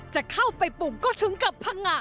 จะเข้าไปปลูกก็ถึงกับพังงะ